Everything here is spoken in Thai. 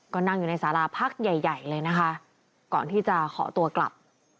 ก็นั่งอยู่ในสาราพักใหญ่ใหญ่เลยนะคะก่อนที่จะขอตัวกลับ